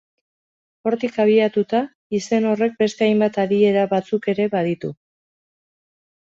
Hortik abiatuta, izen horrek beste hainbat adiera batzuk ere baditu.